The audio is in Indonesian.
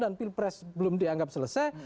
dan pilpres belum dianggap selesai